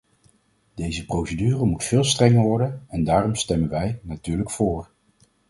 Deze procedure moet veel strenger worden, en daarom stemmen wij, natuurlijk, vóór.